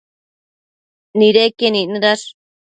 nidequien icnëdash